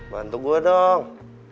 bantu gue dong